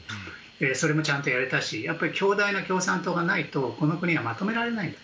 それもちゃんとやれたし強大な共産党がないとこの国はまとめられないと。